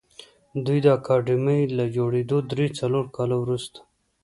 دوی د اکاډمۍ له جوړېدو درې څلور کاله وروسته